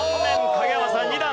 影山さん２段